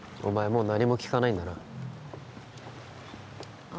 もう何も聞かないんだなあ